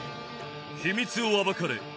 秘密を暴かれ